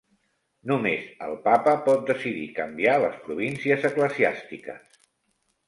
Només el Papa pot decidir canviar les províncies eclesiàstiques.